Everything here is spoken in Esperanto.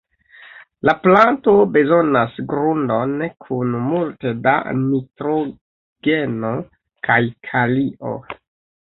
La planto bezonas grundon kun multe da nitrogeno kaj kalio.